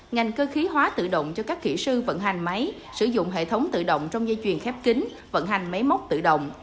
ngành cơ khí hóa tự động cho các kỹ sư vận hành máy sử dụng hệ thống tự động trong dây chuyền khép kính vận hành máy móc tự động